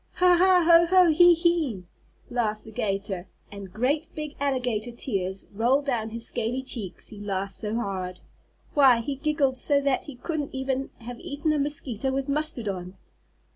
"Ha! Ha! Ho! Ho! He! He!" laughed the 'gator, and great big alligator tears rolled down his scaly cheeks, he laughed so hard. Why, he giggled so that he couldn't even have eaten a mosquito with mustard on.